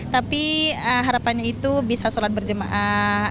tapi harapannya itu bisa sholat berjemaah